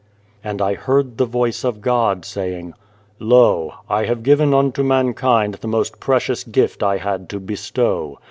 And I heard the voice of God saying :" Lo ! I have given unto mankind the most precious gift I had to bestow.